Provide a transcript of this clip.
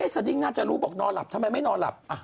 สดิ้งน่าจะรู้บอกนอนหลับทำไมไม่นอนหลับ